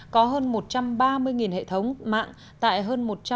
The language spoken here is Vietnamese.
có hơn một trăm ba mươi hệ thống mạng tại hơn một trăm linh